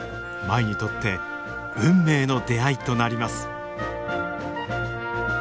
舞にとって運命の出会いとなります。